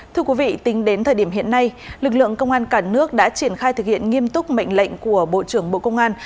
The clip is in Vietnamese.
thưa quý vị tính đến thời điểm hiện nay lực lượng công an cả nước đã triển khai thực hiện nghiêm túc mệnh lệnh của bộ trưởng bộ công an